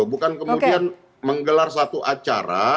bukan kemudian menggelar satu acara